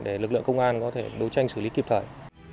để lực lượng công an có thể đấu tranh xử lý kịp thời